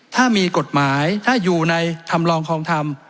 ถ้ามีกฎหมายถ้าอยู่ในทำลองคลองธรรม